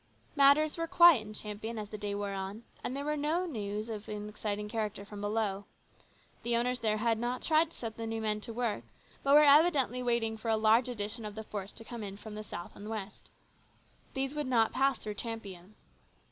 Matters were quiet in Champion as the day wore on, and there was no news of an exciting character from below. The owners there had not tried to set the new men to work, but were evidently waiting for a large addition of the force to come in from the south and west. These would not pass through Champion.